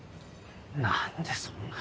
何でそんな。